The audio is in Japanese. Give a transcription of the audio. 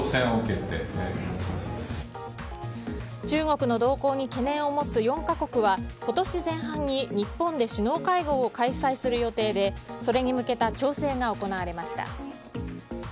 中国の動向に懸念を持つ４か国は今年前半に日本で首脳会合を開催する予定でそれに向けた調整が行われました。